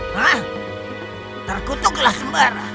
hah terkutuklah sembara